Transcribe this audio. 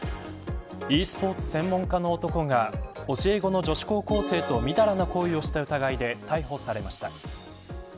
ｅスポーツ専門家の男が教え子の女子高校生とみだらな行為をした疑いで逮捕されました。